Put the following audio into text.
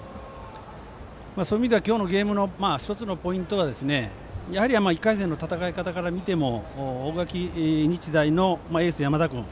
そういう意味では今日のゲームの１つのポイントは１回戦の戦い方から見ても大垣日大のエース、山田君。